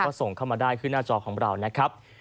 ก็ส่งเข้ามาได้ที่หน้าจอของเรานะครับ